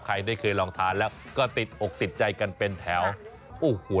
ใครได้เคยลองทานแล้วก็ติดอกติดใจกันเป็นแถวโอ้โห